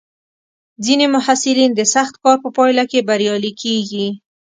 ځینې محصلین د سخت کار په پایله کې بریالي کېږي.